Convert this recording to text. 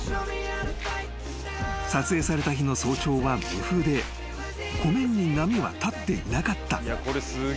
［撮影された日の早朝は無風で湖面に波は立っていなかった］